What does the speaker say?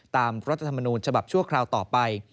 รัฐธรรมนูญฉบับชั่วคราวต่อไป